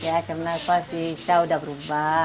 ya karena pas si chow udah berubah